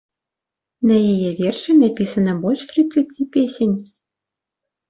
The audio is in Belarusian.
На яе вершы напісана больш трыццаці песень.